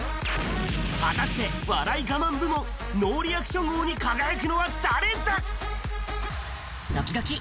果たして、笑いガマン部門ノーリアクション王に輝くのは誰だ？